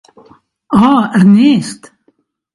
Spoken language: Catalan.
Oh, Ernest!